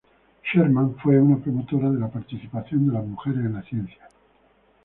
Sherman fue una promotora de la participación de las mujeres en la ciencia.